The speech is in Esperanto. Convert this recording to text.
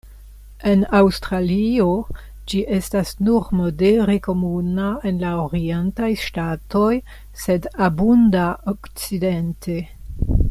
En Aŭstralio ĝi estas nur modere komuna en la orientaj ŝtatoj, sed abunda okcidente.